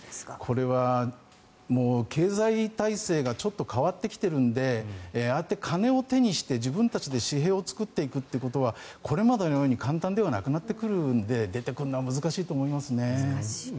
これはもう、経済体制がちょっと変わってきているのでああやって金を手にして自分たちで私兵を作るということはこれまでのように簡単ではなくなってくるので出てくるのは難しいと思います。